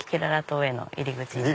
裸裸島への入り口。